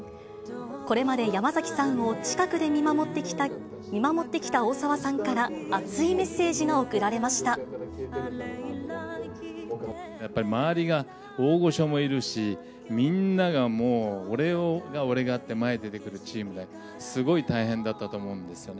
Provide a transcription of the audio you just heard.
これまで山崎さんを近くで見守ってきた大沢さんから、やっぱり周りが、大御所もいるし、みんながもう、俺が俺がって、前出てくるチームで、すごい大変だったと思うんですよね。